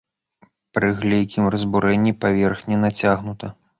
Пры глейкім разбурэнні паверхня нацягнута.